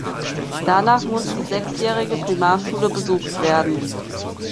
Danach muss die sechsjährige Primarschule besucht werden.